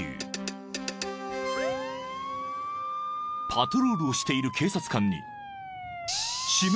［パトロールをしている警察官に］